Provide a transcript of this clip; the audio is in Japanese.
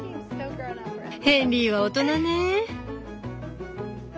ヘンリーは大人ねぇ。